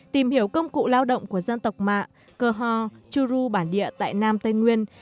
tìm hiểu công cụ lao động của dân tộc mạ cơ hò chu ru bản địa tại nam tây nguyên